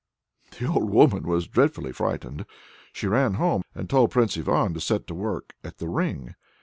The old woman was dreadfully frightened; she ran home, and told Prince Ivan to set to work at the ring.